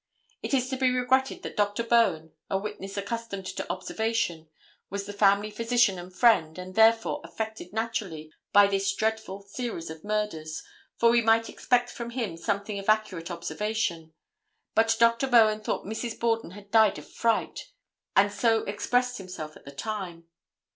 It is to be regretted that Dr. Bowen, a witness accustomed to observation, was the family physician and friend, and, therefore, affected, naturally, by this dreadful series of murders, for we might expect from him something of accurate observation, but Dr. Bowen thought Mrs. Borden had died of fright, and so expressed himself at the time.